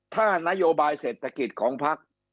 ถ้านโยบายเศรษฐกิจของพัก